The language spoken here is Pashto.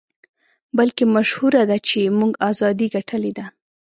بلکې مشهوره ده چې موږ ازادۍ ګټلې دي.